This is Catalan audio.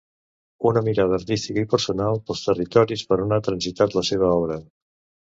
Una mirada artística i personal pels territoris per on ha transitat la seva obra.